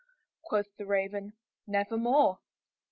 Quoth the Raven, "Nevermore."